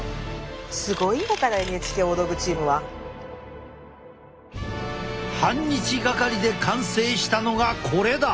すごいんだからＮＨＫ大道具チームは。半日掛かりで完成したのがこれだ。